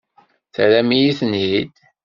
Terram-iyi-ten-id.